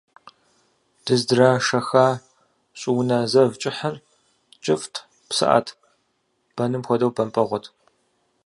Дыздрашэха щӏыунэ зэв кӏыхьыр кӏыфӏт, псыӏэт, бэным хуэдэу бэмпӏэгъуэт.